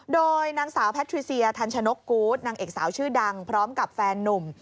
โดยนางสาวแพทริเซียทันชนกกูธนางเอกสาวชื่อดังพร้อมกับแฟนนุ่ม